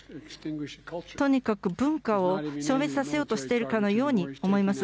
とにかく文化を消滅させようとしているかのように思います。